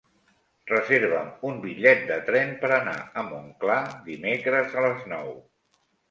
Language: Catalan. Reserva'm un bitllet de tren per anar a Montclar dimecres a les nou.